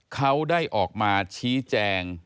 เขาได้ออกมาชี้แจง